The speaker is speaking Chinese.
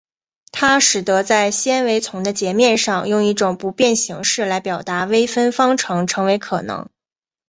它使得在纤维丛的截面上用一种不变形式来表达微分方程成为可能。